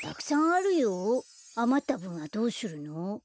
あまったぶんはどうするの？